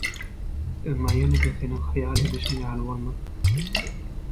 Emma ýene-de seniň hyýal edişiň ýaly bolmaz.